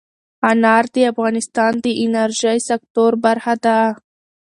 انار د افغانستان د انرژۍ سکتور برخه ده.